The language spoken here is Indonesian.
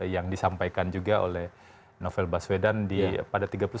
yang disampaikan juga oleh novel baswedan pada tiga puluh sembilan